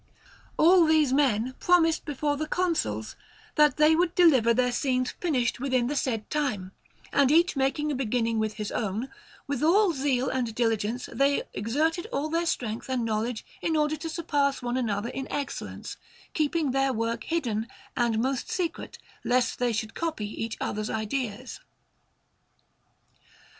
All these men promised before the Consuls that they would deliver their scenes finished within the said time; and each making a beginning with his own, with all zeal and diligence they exerted all their strength and knowledge in order to surpass one another in excellence, keeping their work hidden and most secret, lest they should copy each other's ideas.